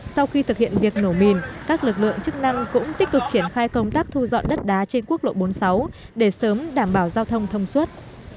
sau khi thực hiện việc nổ mìn các lực lượng chức năng cũng tích cực triển khai công tác thu dọn đất đá trên quốc lộ bốn mươi sáu để sớm đảm bảo giao thông thông suốt